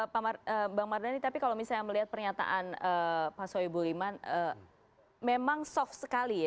pak bang mardhani tapi kalau misalnya melihat pernyataan pak soebul iman memang soft sekali ya